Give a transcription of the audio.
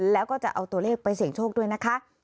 แล้วก็จะเอาตัวเลขไปเสี่ยงโชคด้วยนะคะ